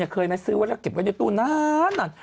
เคยนะซื้อไว้แล้วกัดเก็บไว้ในตู้นั้นนัน